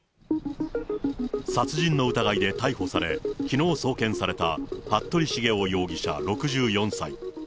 殺人の疑いで逮捕され、きのう送検された、服部繁雄容疑者６４歳。